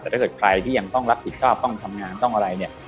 แต่ถ้าเกิดใครที่ยังต้องรับผิดชอบต้องทำงานต้องอะไรเนี่ย